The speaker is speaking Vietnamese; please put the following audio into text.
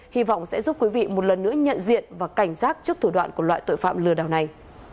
hy vọng sẽ giúp quý vị một lần nữa nhận diện và cảnh giác trước thủ đoạn của loại tội phạm lừa đảo này